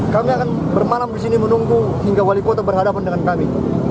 kami akan bermalam di sini menunggu hingga wali kota berhadapan dengan kami